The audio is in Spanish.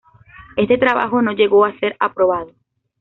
Este trabajo no llegó a ser aprobado.